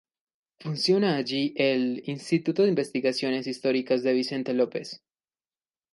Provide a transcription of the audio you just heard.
Funciona allí el "Instituto de Investigaciones Históricas de Vicente López".